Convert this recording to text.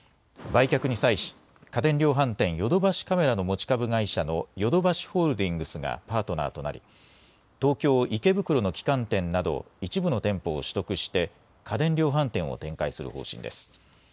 売却に際し、家電量販店、ヨドバシカメラの持ち株会社のヨドバシホールディングスがパートナーとなり、東京・池袋の旗艦店など、一部の店舗を取得して、家電量販店を展開する方針です。